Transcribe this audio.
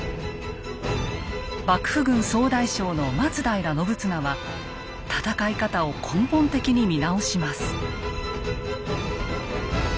幕府軍総大将の松平信綱は戦い方を根本的に見直します。